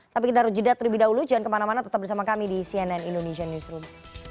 tapi kita harus jeda terlebih dahulu jangan kemana mana tetap bersama kami di cnn indonesia newsroom